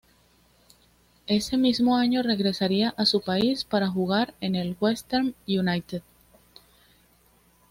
Ese mismo año regresaría a su país para jugar en el Western United.